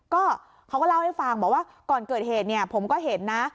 ก็เขาก็เล่าให้ฟังบอกว่าก่อนเกิดเหตุเนี่ยผมก็เห็นนะ